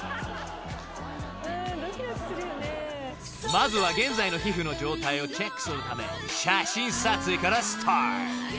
［まずは現在の皮膚の状態をチェックするため写真撮影からスタート］